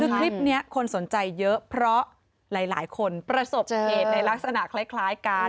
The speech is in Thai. คือคลิปนี้คนสนใจเยอะเพราะหลายคนประสบเหตุในลักษณะคล้ายกัน